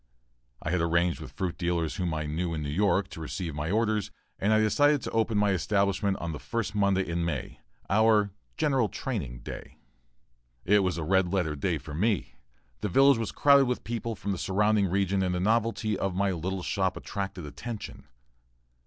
I had arranged with fruit dealers whom I knew in New York, to receive my orders, and I decided to open my establishment on the first Monday in May our "general training" day. It was a "red letter" day for me. The village was crowded with people from the surrounding region and the novelty of my little shop attracted attention.